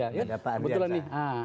ada pak ardiansa